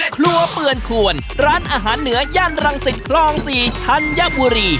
ครัวเปื่อนขวนร้านอาหารเหนือย่านรังสิตคลอง๔ธัญบุรี